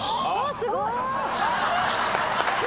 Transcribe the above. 「すごーい！」